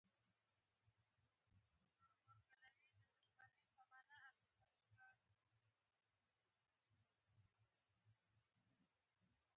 د انجلۍ کوس ښکاره دی